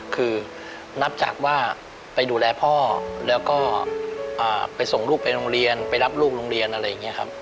คือนับจากว่าไปดูแลพ่อแล้วก็ไปส่งลูกไปโรงเรียนไปรับลูกโรงเรียนอะไรอย่างนี้ครับ